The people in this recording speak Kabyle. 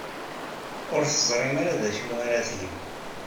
Ur teẓrim ara d acu ara tgem.